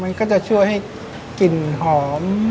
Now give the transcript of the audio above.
มันก็จะช่วยให้กลิ่นหอม